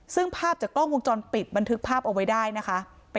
ซึ่งภาพจากกล้องวงจรปิดบันทึกภาพเอาไว้ได้นะคะ